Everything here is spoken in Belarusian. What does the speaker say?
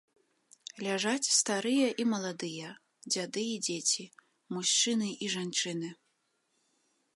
Ляжаць старыя і маладыя, дзяды і дзеці, мужчыны і жанчыны.